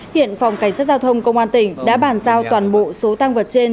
hiện phòng cảnh sát giao thông công an tỉnh đã bàn giao toàn bộ số tăng vật trên